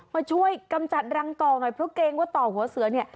มาช่วยกำจัดรังต่อหน่อยเพราะเกรงว่าต่อหัวเสือเนี่ย